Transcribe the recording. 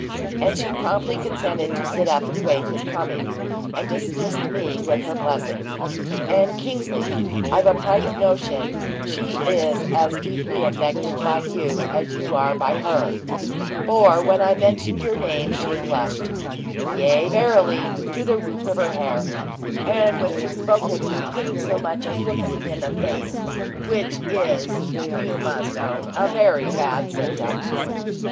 And she promptly consented to sit up and wait his coming, and dismissed me with her blessing. And, Kingsley, I've a private notion she is as deeply affected by you as you are by her; for, when I mentioned your name, she blushed, yea, verily to the roots of her hair; and when she spoke of you, couldn't so much as look me in the face which is, you must own, a very bad symptom."